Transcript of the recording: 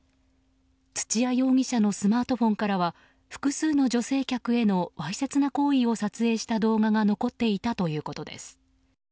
土谷容疑者のスマートフォンからは複数の女性客へのわいせつな行為を撮影した動画が残っていたということです。